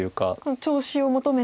調子を求めて。